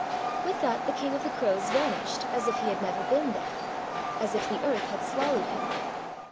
With that the King of the Crows vanished as if he had never been there, — as if the earth had swallowed him.